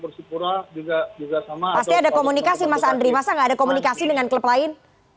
di kura juga juga sama ada komunikasi masa andri masa enggak ada komunikasi dengan klub lain